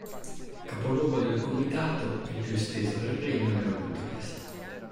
Capoluogo del comitato, il più esteso del regno, era Budapest.